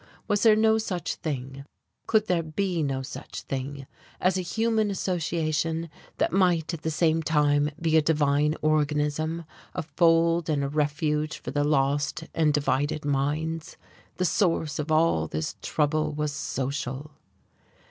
Was there no such thing, could there be no such thing as a human association that might at the same time be a divine organism, a fold and a refuge for the lost and divided minds? The source of all this trouble was social....